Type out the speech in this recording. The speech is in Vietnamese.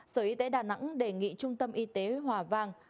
sở y tế đà nẵng đề nghị trung tâm y tế hòa vang